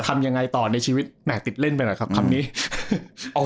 ทำยังไงต่อในชีวิตแม่ติดเล่นไปหน่อยครับคำนี้เอา